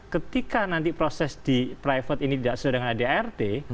ketika nanti proses di private ini tidak sesuai dengan adrt